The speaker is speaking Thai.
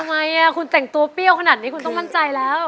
ทำไมคุณแต่งตัวเปรี้ยวขนาดนี้คุณต้องมั่นใจแล้ว